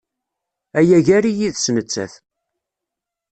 Aya gar-i yid-s nettat.